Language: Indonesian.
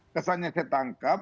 kesannya saya tangkap